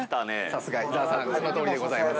◆さすが伊沢さん、そのとおりでございます。